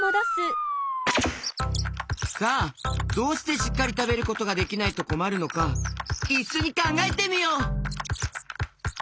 さあどうしてしっかりたべることができないとこまるのかいっしょにかんがえてみよう！